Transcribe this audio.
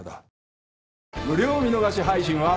無料見逃し配信は。